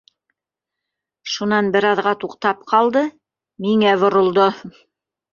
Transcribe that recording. Шунан бер аҙға туҡтап ҡалды, миңә боролдо.